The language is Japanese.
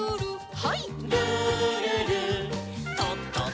はい。